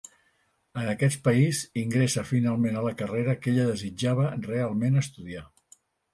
En aquest país, ingressa finalment a la carrera que ella desitjava realment estudiar.